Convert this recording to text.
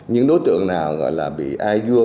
những đối tượng nào bị ai vua